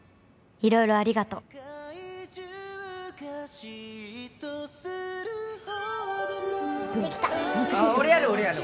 「いろいろありがとう」できたああ俺やる俺やる